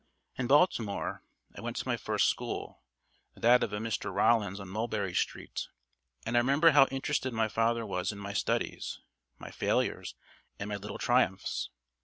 In Baltimore, I went to my first school, that of a Mr. Rollins on Mulberry Street, and I remember how interested my father was in my studies, my failures, and my little triumphs.